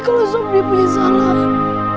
kalau sopri punya salah